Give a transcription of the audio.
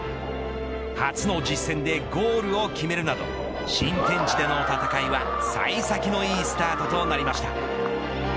初の実戦でゴールを決めるなど新天地での戦いは幸先のよいスタートとなりました。